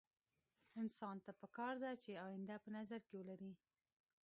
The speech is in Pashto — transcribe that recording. انسان ته پکار ده چې اينده په نظر کې ولري.